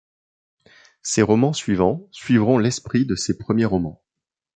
Ses romans suivants suivront l'esprit de ses premiers romans.